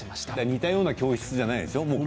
似たような教室じゃないでしょう？